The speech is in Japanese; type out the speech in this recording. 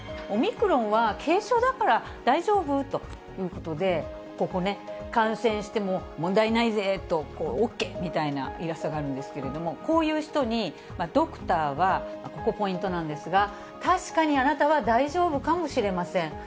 オミクロンは軽症だから大丈夫ということで、ここね、感染しても問題ないぜとＯＫみたいなイラストがあるんですけれども、こういう人に、ドクターは、ここポイントなんですが、確かにあなたは大丈夫かもしれません。